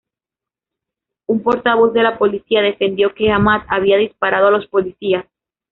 Un portavoz de la policía defendió que Ahmad había disparado a los policías.